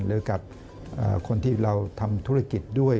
หรือกับคนที่เราทำธุรกิจด้วย